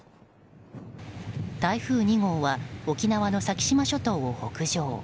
台風２号は沖縄の先島諸島を北上。